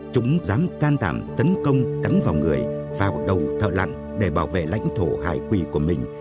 chúng dám can đảm tấn công đắm vào người vào đầu thợ lặn để bảo vệ lãnh thổ hải quỳ của mình